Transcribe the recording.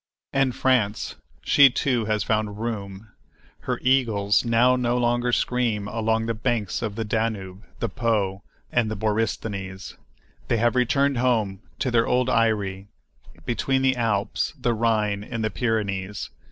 And France,—she, too, has found "room." Her "eagles" now no longer scream along the banks of the Danube, the Po, and the Borysthenes. They have returned home, to their old eyrie, between the Alps, the Rhine, and the Pyrenees.